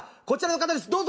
こちらの方です。